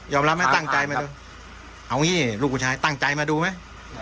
รับไหมตั้งใจมาดูเอางี้ลูกผู้ชายตั้งใจมาดูไหม